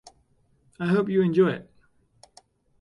I hope you enjoy it.